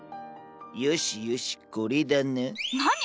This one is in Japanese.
よしよしこれだな。